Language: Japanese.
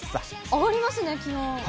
上がりますね、気温。